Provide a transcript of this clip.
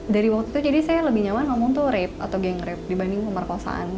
dari waktu itu jadi saya lebih nyaman ngomong tuh rape atau geng rape dibanding pemerkosaan